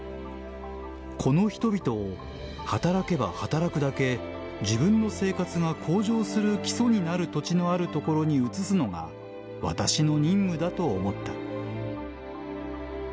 この人々を働けば働くだけ自分の生活が向上する基礎になる土地のある所に移すのが私の任務だと思った」。